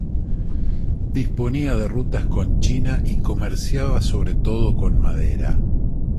Disponía de rutas con China y comerciaba sobre todo con madera.